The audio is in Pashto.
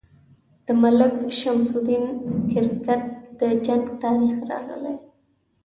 د ملک شمس الدین کرت د جنګ تاریخ راغلی.